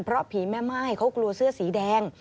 เพราะผีแม่ม่ายเขากลัวเสื้อสีแดง